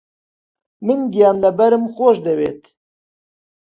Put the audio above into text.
من گیانلەبەرم خۆش دەوێت.